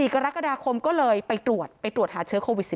กรกฎาคมก็เลยไปตรวจไปตรวจหาเชื้อโควิด๑๙